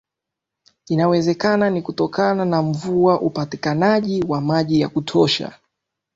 inawezekana ni kutokana na mvua upatikanaji wa maji ya kutosha